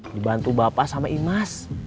dibantu bapak sama imas